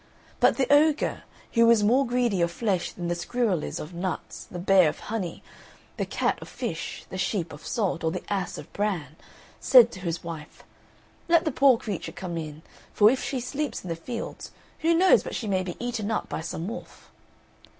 But the ogre, who was more greedy of flesh than the squirrel is of nuts, the bear of honey, the cat of fish, the sheep of salt, or the ass of bran, said to his wife, "Let the poor creature come in, for if she sleeps in the fields, who knows but she may be eaten up by some wolf."